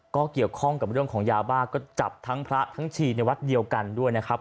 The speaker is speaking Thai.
ก็เกี่ยวข้องกับเรื่องของยาบ้าก็จับทั้งพระทั้งชีในวัดเดียวกันด้วยนะครับ